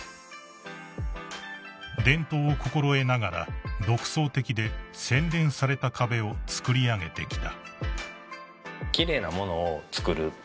［伝統を心得ながら独創的で洗練された壁を作り上げてきた］